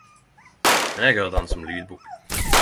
Men eg høyrde den som lydbok.